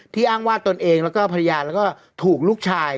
อ้างว่าตนเองแล้วก็ภรรยาแล้วก็ถูกลูกชาย